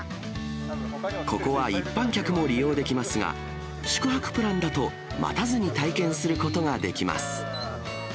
ここは一般客も利用できますが、宿泊プランだと待たずに体験することができます。